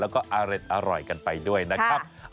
และก็รักอร่อยกันไปด้วยนะครับอ่ะครับค่ะ